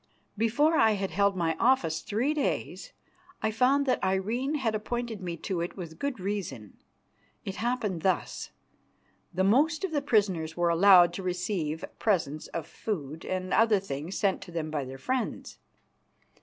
Before I had held my office three days I found that Irene had appointed me to it with good reason. It happened thus. The most of the prisoners were allowed to receive presents of food and other things sent to them by their friends.